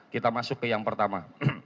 kita masuk ke yang pertama